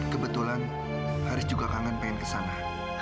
kebetulan haris juga kangen pengen ke sana